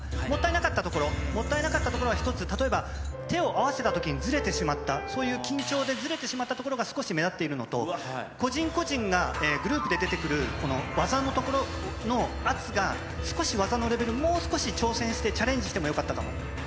もったいなかったところ、もったいなかったところは一つ、例えば、手を合わせたときにずれてしまった、そういう緊張でずれてしまったところが、少し目立っているのと、個人個人が、グループで出てくる、この技のところの圧が、少し技のレベル、もう少し挑戦して、チャレンジしても、よかったかも。